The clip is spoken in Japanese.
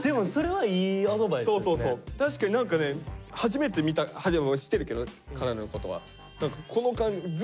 確かに何かね初めて見た知ってるけど奏琉のことは。